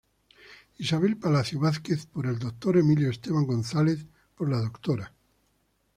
Isabel Palacio Vázquez, por el Dr. Emilio Esteban González, por la Dra.